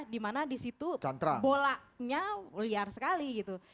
dimana disitu bolanya liar sekali gitu